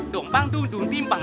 dumpang dung dung timpang